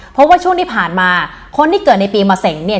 เพราะว่าช่วงที่ผ่านมาคนที่เกิดในปีมะเสงเนี่ย